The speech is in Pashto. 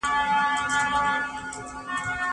زه اوس ښوونځی ځم،